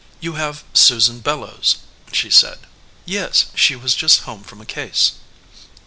"You have Susan Bellows," she said. "Yes, she was just home from a case."